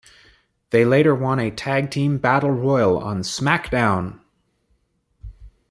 They later won a tag-team battle royal on SmackDown!